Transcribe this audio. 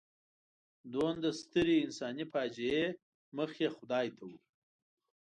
دومره سترې انساني فاجعې مخ یې خدای ته و.